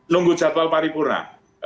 nunggu jadwal paripurna